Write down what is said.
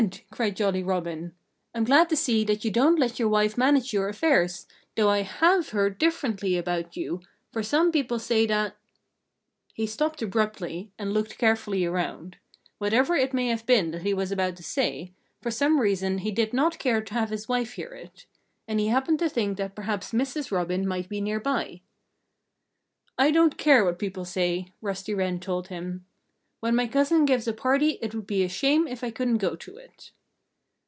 cried Jolly Robin. "I'm glad to see that you don't let your wife manage your affairs, though I have heard differently about you, for some people say that " He stopped abruptly and looked carefully around. Whatever it may have been that he was about to say, for some reason he did not care to have his wife hear it. And he happened to think that perhaps Mrs. Robin might be near by. "I don't care what people say," Rusty Wren told him. "When my cousin gives a party it would be a shame if I couldn't go to it."